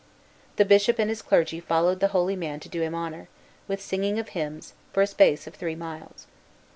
The Bishop and his clergy followed the holy man to do him honor, with singing of hymns, for a space of three miles.